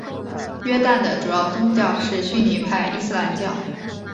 约旦的主要宗教是逊尼派伊斯兰教。